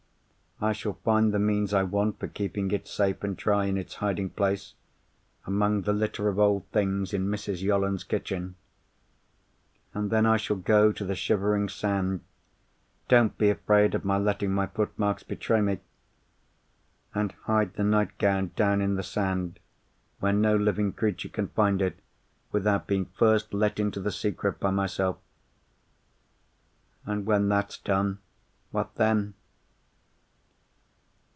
I shall find the means I want for keeping it safe and dry in its hiding place, among the litter of old things in Mrs. Yolland's kitchen. And then I shall go to the Shivering Sand—don't be afraid of my letting my footmarks betray me!—and hide the nightgown down in the sand, where no living creature can find it without being first let into the secret by myself. "And, when that's done, what then?